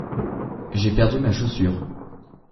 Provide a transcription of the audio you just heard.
j'ai perdu ma chaussure.